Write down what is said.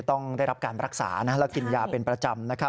ต้องได้รับการรักษาและกินยาเป็นประจำ